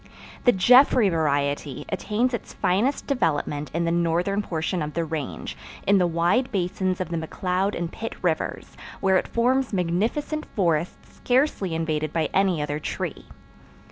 The Jeffrey variety attains its finest development in the northern portion of the Range, in the wide basins of the McCloud and Pitt Rivers, where it forms magnificent forests scarcely invaded by any other tree.